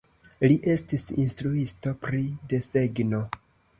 Li estis instruisto pri desegno.